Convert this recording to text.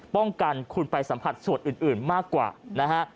ป้องกันคุณไปสัมผัสส่วนอื่นมากกว่านะฮะ